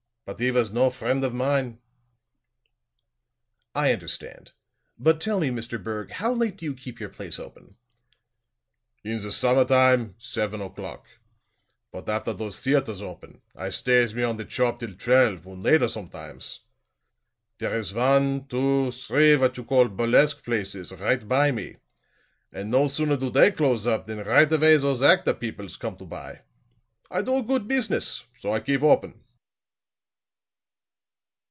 But he was no friend of mine." "I understand. But tell me, Mr. Berg, how late do you keep your place open?" "In the summertime seven o'clock. But after dose theaters open, I stays me on the chob till twelve, or later somedimes. There is one two three what you call burlesque places, right by me; and no sooner do they close up, than right away those actor peoples come to buy. I do a goot business, so I keep open."